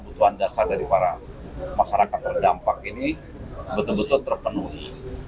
kebutuhan dasar dari para masyarakat terdampak ini betul betul terpenuhi